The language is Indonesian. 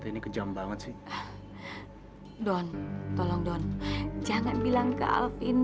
ibu ini membayar para peculik yasmin